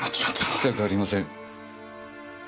聞きたくありません。